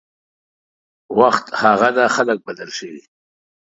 وخت هغه ده خلک بدل شوي